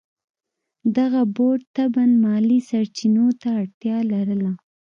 دغه بورډ طبعاً مالي سرچینو ته اړتیا لرله.